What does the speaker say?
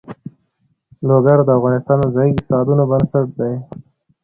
لوگر د افغانستان د ځایي اقتصادونو بنسټ دی.